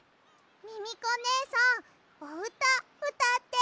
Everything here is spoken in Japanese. ミミコねえさんおうたうたって。